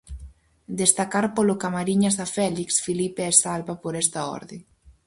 Destacar polo Camariñas a Félix, Filipe e salva, por esta orde.